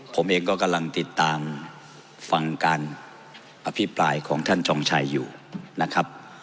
ผมเองก็กำลังติดตามฟังการอภิปรายของท่านจองชัยอยู่นะครับ